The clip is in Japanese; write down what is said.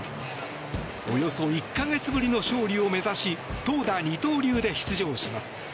およそ１か月ぶりの勝利を目指し投打二刀流で出場します。